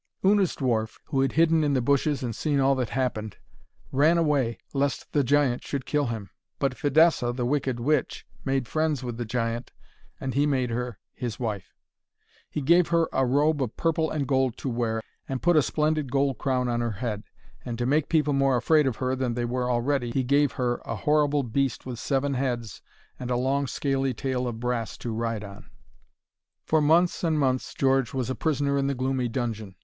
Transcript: Una's dwarf, who had hidden in the bushes and seen all that happened, ran away, lest the giant should kill him. But Fidessa, the wicked witch, made friends with the giant, and he made her his wife. He gave her a robe of purple and gold to wear, and put a splendid gold crown on her head. And to make people more afraid of her than they were already, he gave her a horrible beast with seven heads and a long scaly tail of brass to ride on. For months and months George was a prisoner in the gloomy dungeon.